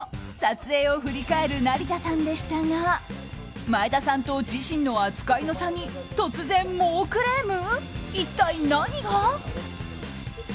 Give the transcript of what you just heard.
と、撮影を振り返る成田さんでしたが前田さんと自身の扱いの差に突然、猛クレーム？